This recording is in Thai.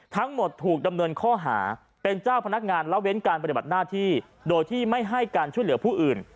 ทั้งหมดถูกดำเนินข้อหาเป็นเจ้าพนักงานละเว้นการปฏิบัติหน้าที่โดยที่ไม่ให้การช่วยเหลือผู้อื่น